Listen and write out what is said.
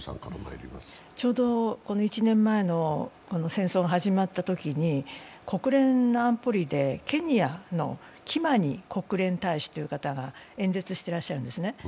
ちょうど１年前の戦争が始まったときに、国連安保理でケニアのキマニ国連大使という方が演説してらっしゃるんですね。